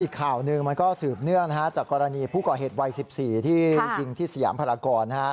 อีกข่าวหนึ่งมันก็สืบเนื่องจากกรณีผู้ก่อเหตุวัย๑๔ที่ยิงที่สยามพรากร